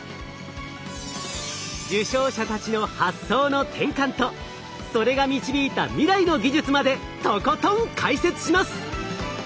受賞者たちの発想の転換とそれが導いた未来の技術までとことん解説します！